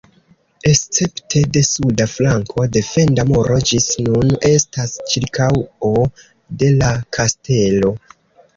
Escepte de suda flanko, defenda muro ĝis nun estas ĉirkaŭo de la kastelo.